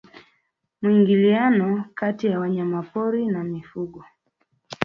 Mwingiliano kati ya wanyamapori na mifugo